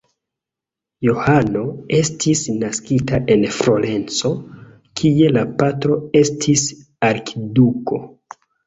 Johano estis naskita en Florenco, kie la patro estis arkiduko.